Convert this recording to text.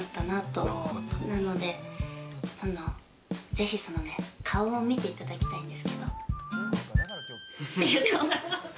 なので、ぜひその顔を見ていただきたいんですけど。